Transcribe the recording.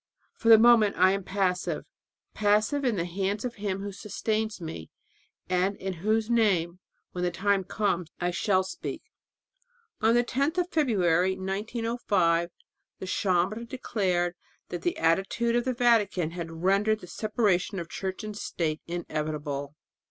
For the moment I am passive passive in the hands of Him who sustains me, and in whose name when the time comes I shall speak." On the 10th of February, 1905, the Chambre declared that the "attitude of the Vatican" had rendered the separation of church and state inevitable.